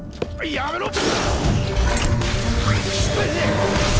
やめろっ！